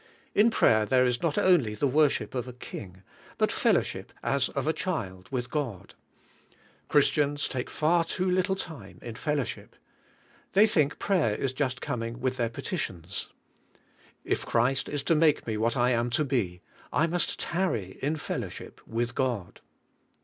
In prayer there is not only the worship of a king, but fellow ship as of a child with God. Christians take far too little time in fellowship. They think prayer is just coming with their petitions. If Christ is to make me what I am to be, I must tarry in fellowship with God.